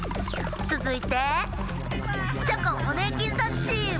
つづいて「チョコン・ホネーキンさん」チーム！